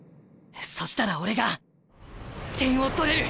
そしたら俺が点を取れる！